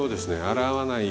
洗わない。